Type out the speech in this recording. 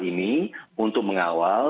ini untuk mengawal